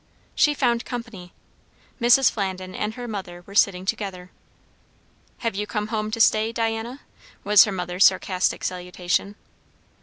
She found company. Mrs. Flandin and her mother were sitting together. "Hev' you come home to stay, Diana?" was her mother's sarcastic salutation.